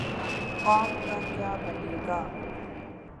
قوم کا کیا بنے گا؟